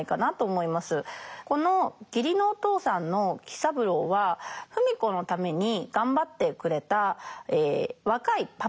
この義理のお父さんの喜三郎は芙美子のために頑張ってくれた若いパパです。